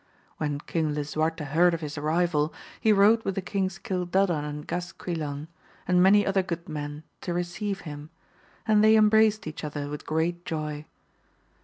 When King Lisuarte heard of his arrival, he rode with the Kings Cildadan and Gas quilan, and many other good men to receive him, and they embraced each other with great joy.